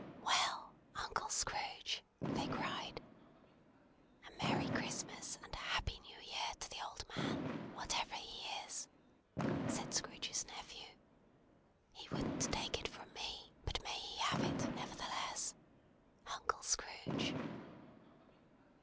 '" "Well! Uncle Scrooge!" they cried. "A Merry Christmas and a Happy New Year to the old man, whatever he is!" said Scrooge's nephew. "He wouldn't take it from me, but may he have it, nevertheless. Uncle Scrooge!"